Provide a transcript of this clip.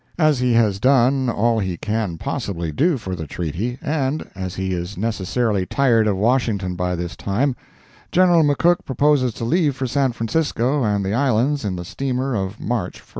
As he has done all he can possibly do for the treaty, and as he is necessarily tired of Washington by this time, General McCook proposes to leave for San Francisco and the Islands in the steamer of March 1.